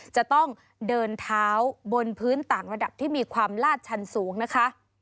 จะต้องเดินเท้าบนพื้นต่างระดับที่มีความลาดชันสูงนะคะ